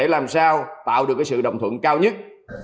làm sao tạo được sự đồng thuận cao nhất